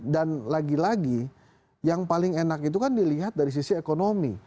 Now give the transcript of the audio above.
dan lagi lagi yang paling enak itu kan dilihat dari sisi ekonomi